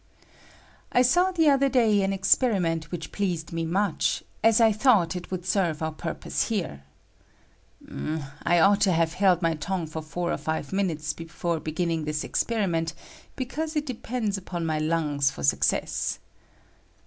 I saw the other day an experiment which pleased me much, as I thought it would serve our purpose here. (I ought to have held my tongue for four or five minutes before beginning this experiment, because it depends upon ray COMPEESSIBILITT OF AIB. 139 luBga for success.)